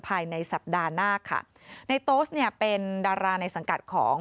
ภายในสัปดาห์หน้าค่ะในโต๊สเนี่ยเป็นดาราในสังกัดของ